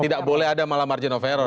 tidak boleh ada malah margin of error